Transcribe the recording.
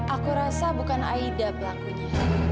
aku rasa bukan aida belangkunya